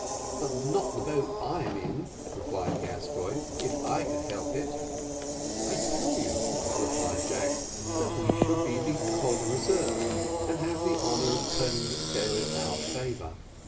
"But not the boat I am in," replied Gascoigne; "if I could help it." "I tell you," replied Jack, "we shall be the corps de reserve, and have the honour of turning the scale in our favour."